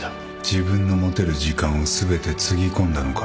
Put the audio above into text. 自分の持てる時間を全てつぎ込んだのか？